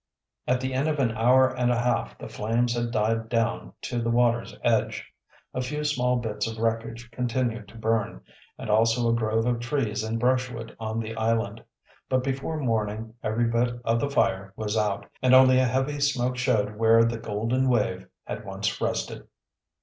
At the end of an hour and a half the flames had died down to the water's edge. A few small bits of wreckage continued to burn, and also a grove of trees and brushwood on the island. But before morning every bit of the fire was out, and only a heavy smoke showed where the Golden Wave had once rested.